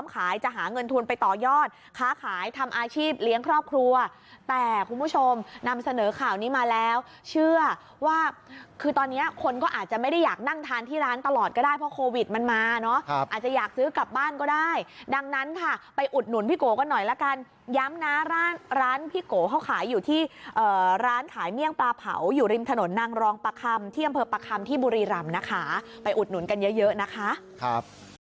ก็ได้เพราะโควิดมันมาเนาะอาจจะอยากซื้อกลับบ้านก็ได้ดังนั้นค่ะไปอุดหนุนพี่โกกันหน่อยละกันย้ำนะร้านพี่โกเขาขายอยู่ที่ร้านขายเมี่ยงปลาเผาอยู่ริมถนนนางรองปะคำเที่ยงเผลอปะคำที่บุรีรำนะคะไปอุดหนุนกันเยอะเยอะนะคะครับ